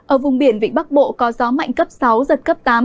ở vùng biển vịnh bắc bộ có gió mạnh cấp sáu giật cấp tám